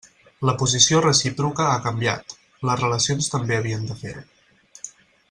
La posició recíproca ha canviat; les relacions també havien de fer-ho.